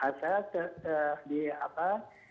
asal di apa